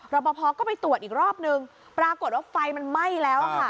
ปภก็ไปตรวจอีกรอบนึงปรากฏว่าไฟมันไหม้แล้วค่ะ